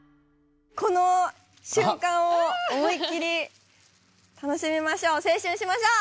この瞬間を思いっ切り楽しみましょう青春しましょう！